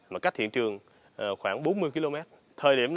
mà cách hiện trường khoảng bốn mươi km